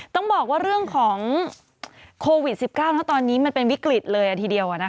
ต้องบอกว่าเรื่องของโควิด๑๙ตอนนี้มันเป็นวิกฤตเลยทีเดียว